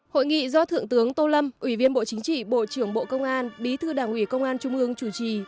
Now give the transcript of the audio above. hội nghị do thượng tướng tô lâm ủy viên bộ chính trị bộ trưởng bộ công an bí thư đảng ủy công an trung ương chủ trì